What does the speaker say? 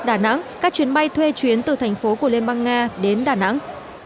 đà nẵng các chuyến bay thuê chuyến từ thành phố của liên bang nga đến đà nẵng